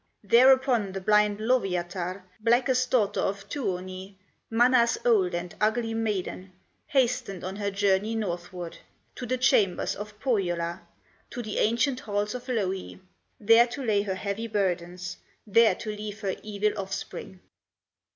Thereupon the blind Lowyatar, Blackest daughter of Tuoni, Mana's old and ugly maiden, Hastened on her journey northward, To the chambers of Pohyola, To the ancient halls of Louhi, There to lay her heavy burdens, There to leave her evil offspring.